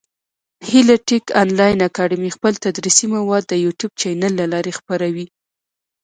هیله ټېک انلاین اکاډمي خپل تدریسي مواد د يوټیوب چېنل له لاري خپره وي.